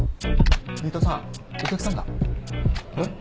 新田さんお客さんが。えっ？